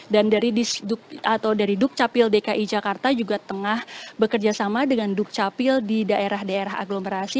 dan dari dukcapil dki jakarta juga tengah bekerja sama dengan dukcapil di daerah daerah aglomerasi